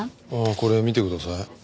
これ見てください。